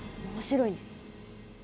面白いね。